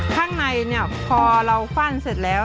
ข้างในพอเราฟั่นเสร็จแล้ว